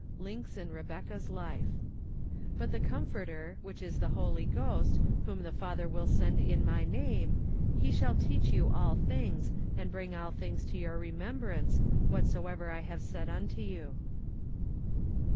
Links in Rebecca's Life. " But the. Comforter, which is the. Holy Ghost, whom the Father xcill send in my name, he shall teach yon all things, and bring all things to your remembrance , xchatsoever I have said unto you."